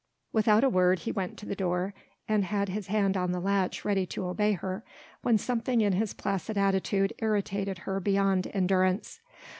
Without a word he went to the door, and had his hand on the latch ready to obey her, when something in his placid attitude irritated her beyond endurance.